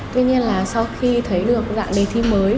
tuy nhiên là sau khi thấy được dạng đề thi mới